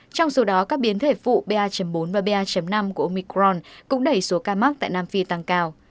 trong số đó các biến thể phụ ba bốn và ba năm của omicron cũng đẩy số ca mắc tại nam phi tăng cao